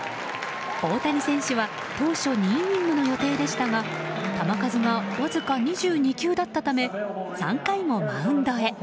大谷選手は当初２イニングの予定でしたが球数がわずか２２球だったため３回もマウンドへ。